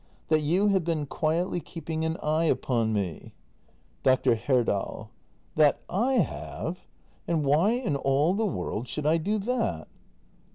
] That you have been quietly keeping an eye upon me. Dr. Herdal. That / have! And why in all the world should I do that